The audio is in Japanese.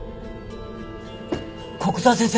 古久沢先生！